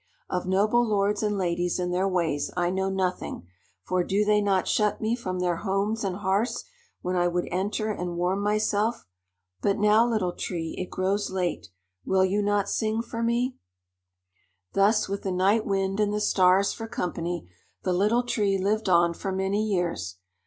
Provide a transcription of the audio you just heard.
Of noble lords and ladies and their ways I know nothing, for do they not shut me from their homes and hearths when I would enter and warm myself? But now, Little Tree, it grows late; will you not sing for me?" Thus with the Night Wind and the Stars for company, the Little Tree lived on for many years.